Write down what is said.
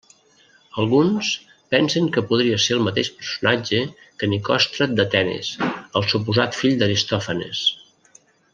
Alguns pensen que podria ser el mateix personatge que Nicòstrat d'Atenes el suposat fill d'Aristòfanes.